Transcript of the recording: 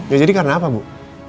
ya jadi karena apa bu